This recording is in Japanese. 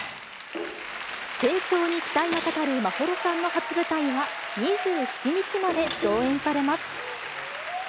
成長に期待がかかる眞秀さんの初舞台は、２７日まで上演されます。